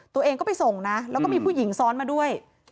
ตัวเองก็ไปส่งนะแล้วก็มีผู้หญิงซ้อนมาด้วย